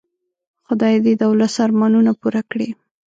خدای دې د ولس ارمانونه پوره کړي.